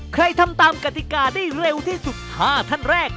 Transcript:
ทำตามกติกาได้เร็วที่สุด๕ท่านแรก